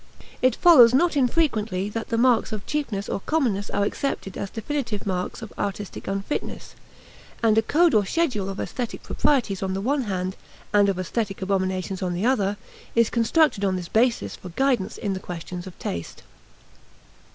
It follows not infrequently that the marks of cheapness or commonness are accepted as definitive marks of artistic unfitness, and a code or schedule of aesthetic proprieties on the one hand, and of aesthetic abominations on the other, is constructed on this basis for guidance in questions of taste.